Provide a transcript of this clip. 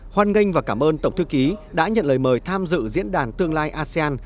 hoan nghênh và cảm ơn tổng thư ký đã nhận lời mời tham dự diễn đàn tương lai asean